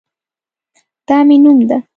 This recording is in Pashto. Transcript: دا مې نوم ده